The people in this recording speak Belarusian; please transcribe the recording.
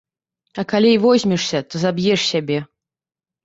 А калі і возьмешся, то заб'еш сябе.